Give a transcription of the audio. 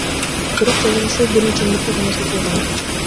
Бирок жолугушуу бир нече мүнөткө гана созулган.